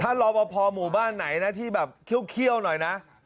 ถ้ารอปภหมู่บ้านไหนนะที่แบบเคี่ยวหน่อยนะ